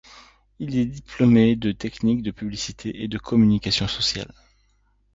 Il est diplômé en Techniques de publicité et de communication sociale.